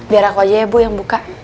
biar aku aja ya bu yang buka